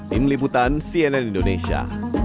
tim liputan cnn indonesia